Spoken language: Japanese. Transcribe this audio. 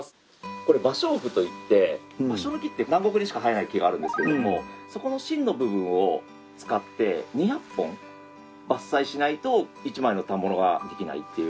これ芭蕉布といって芭蕉の木って南国にしか生えない木があるんですけれどもそこの芯の部分を使って２００本伐採しないと１枚の反物ができないっていう。